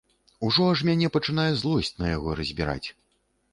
Ужо аж мяне пачынае злосць на яго разбіраць.